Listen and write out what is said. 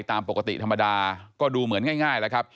ตามปกติธรรมดาก็ดูเหมือนง่ายแล้วครับ